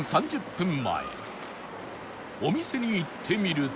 お店に行ってみると